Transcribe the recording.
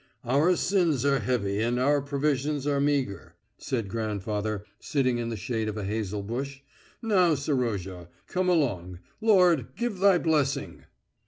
"Our sins are heavy and our provisions are meagre," said grandfather, sitting in the shade of a hazel bush. "Now, Serozha, come along. Lord, give Thy blessing!"